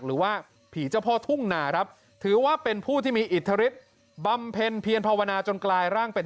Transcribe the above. หรือว่าผีเจ้าพ่อทุ่งนาครับถือว่าเป็นผู้ที่มีอิทธิฤทธิบำเพ็ญเพียรภาวนาจนกลายร่างเป็น